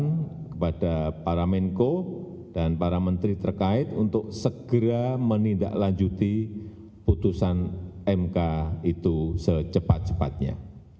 saya sampaikan kepada para menko dan para menteri terkait untuk segera menindaklanjuti putusan mk itu secepat cepatnya